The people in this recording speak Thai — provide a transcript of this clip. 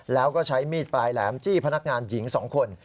แล้วก็ใช้มีดปลายแหลมจี้พนักงานหญิง๒คน